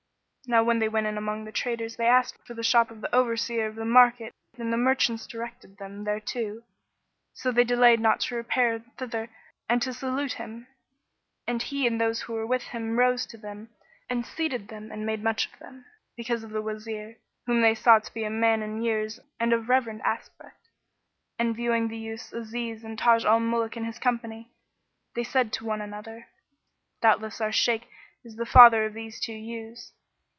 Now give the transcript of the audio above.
Now when they went in among the traders they asked for the shop of the Overseer of the market and the merchants directed them thereto. So they delayed not to repair thither and to salute him, and he and those who were with him rose to them and seated them and made much of them, because of the Wazir, whom they saw to be a man in years and of reverend aspect; and viewing the youths Aziz and Taj al Muluk in his company, they said to one another, "Doubtless our Shaykh is the father of these two youths."